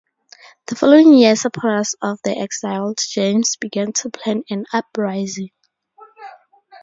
The following year supporters of the exiled James began to plan an uprising.